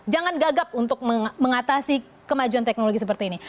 jangan gagap untuk mengatasi kemajuan teknologi seperti ini